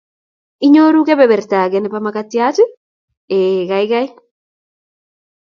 'inyoruu kebeberta age nebo makatiat?'' ''eeh kaikai''